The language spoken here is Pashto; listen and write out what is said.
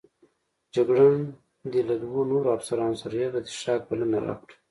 جګړن د له دوو نورو افسرانو سره یوځای د څښاک بلنه راکړه.